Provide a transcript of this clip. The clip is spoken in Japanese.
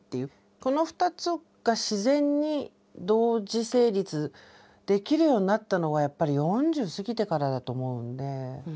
この２つが自然に同時成立できるようになったのはやっぱり４０過ぎてからだと思うんで。